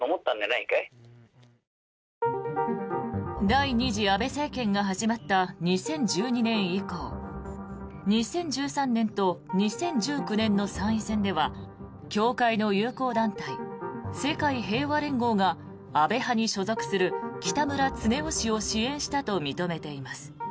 第２次安倍政権が始まった２０１２年以降２０１３年と２０１９年の参院選では教会の友好団体、世界平和連合が安倍派に所属する北村経夫氏を支援したと認めています。